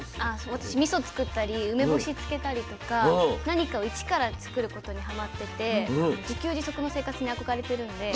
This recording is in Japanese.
私みそつくったり梅干し漬けたりとか何かを一から作ることにはまってて自給自足の生活に憧れてるんで。